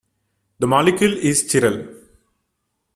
The molecule is chiral.